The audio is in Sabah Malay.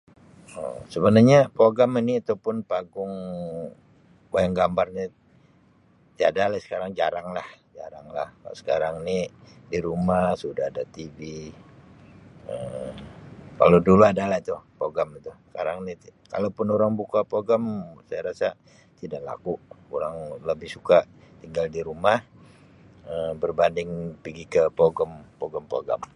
Um sebenarnya pawagam ini ataupun panggung wayang gambar ini tiada lah sekarang jaranglah, sekarang di ruamh sudah ada tv. kalau dulu adalh tu oawagam itu, sekarang ini kalau pun membuka pawagam saya ras tida laku orang lagi suka tinggal d rumah daripada oegi pawagan